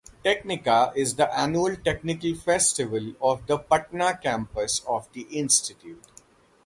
Technika is the annual technical festival of the Patna Campus of the institute.